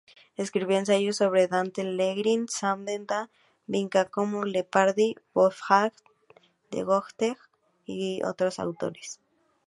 Escribió ensayos sobre Dante Alighieri, Stendhal, Giacomo Leopardi, Wolfgang Goethe y otros autores.